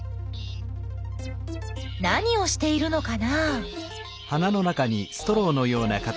何をしているのかな？